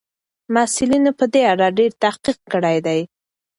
محصلینو په دې اړه ډېر تحقیق کړی دی.